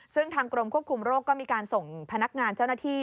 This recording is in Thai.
ซึ่งทางกรมควบคุมโรคก็มีการส่งพนักงานเจ้าหน้าที่